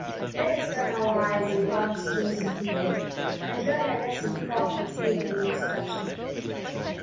Let us turn our eyes on God's chosen people and learn a lesson fraught with fearful instruction.